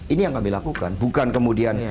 ini yang kami lakukan bukan kemudian